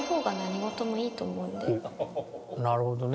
なるほどね。